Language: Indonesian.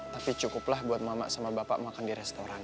tapi cukuplah buat mama sama bapak makan di restoran